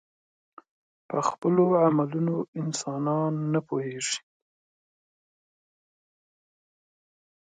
پخو علمونو انسانونه پوهيږي